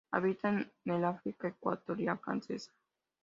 Habita en el África Ecuatorial Francesa.